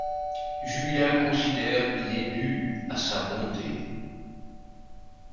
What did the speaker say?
Julien considère qu'il est dû à sa bonté.